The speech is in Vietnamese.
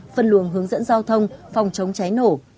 phân luồng hướng dẫn giao thông phòng chống cháy nổ